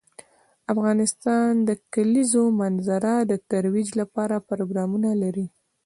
افغانستان د د کلیزو منظره د ترویج لپاره پروګرامونه لري.